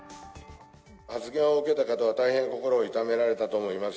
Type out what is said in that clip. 発言を受けた方は大変心を痛められたと思います。